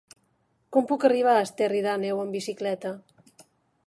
Com puc arribar a Esterri d'Àneu amb bicicleta?